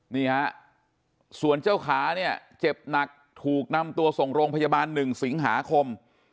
นี่ฮะส่วนเจ้าขาเนี่ยเจ็บหนักถูกนำตัวส่งโรงพยาบาล๑สิงหาคม